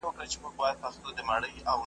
په یوه کتاب څوک نه ملا کېږي ,